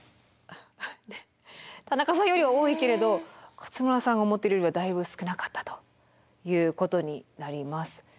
田中さんよりは多いけれど勝村さんが思ってるよりはだいぶ少なかったということになります。